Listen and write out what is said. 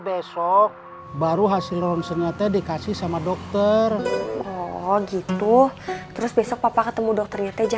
besok baru hasil lonsennyata dikasih sama dokter oh gitu terus besok papa ketemu dokternya teja